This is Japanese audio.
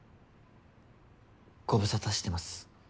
ご無沙汰してます。